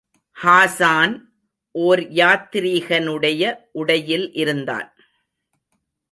ஹாஸான், ஓர் யாத்திரிகனுடைய உடையில் இருந்தான்.